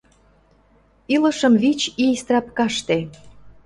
Илышым вич ий страпкаште;